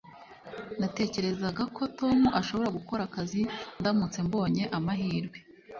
Natekerezaga ko Tom ashobora gukora akazi ndamutse mbonye amahirwe